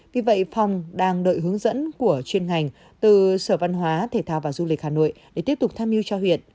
vì vậy phòng đang đợi hướng dẫn của chuyên ngành từ sở văn hóa thể thao và du lịch hà nội để tiếp tục tham mưu cho huyện